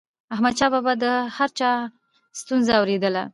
احمدشاه بابا به د هر چا ستونزه اوريدله.